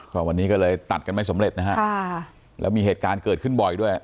ก็วันนี้ก็เลยตัดกันไม่สำเร็จนะฮะแล้วมีเหตุการณ์เกิดขึ้นบ่อยด้วย